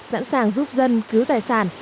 sẵn sàng giúp dân cứu tài sản